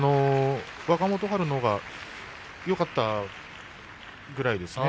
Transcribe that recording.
若元春のほうがよかったぐらいですね